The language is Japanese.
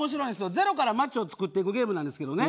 ゼロから街を作っていくゲームなんですけどね。